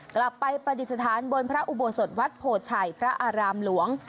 กลับไปปฏิสถานบนพระอุโบสถวัดโพชัยพระอารามหลวง